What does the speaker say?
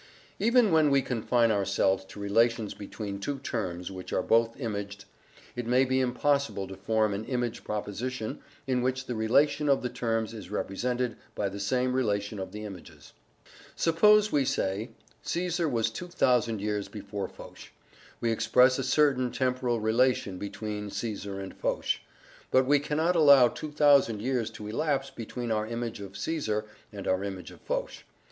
Even when we confine ourselves to relations between two terms which are both imaged, it may be impossible to form an image proposition in which the relation of the terms is represented by the same relation of the images. Suppose we say "Caesar was 2,000 years before Foch," we express a certain temporal relation between Caesar and Foch; but we cannot allow 2,000 years to elapse between our image of Caesar and our image of Foch.